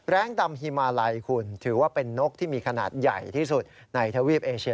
ดำฮิมาลัยคุณถือว่าเป็นนกที่มีขนาดใหญ่ที่สุดในทวีปเอเชีย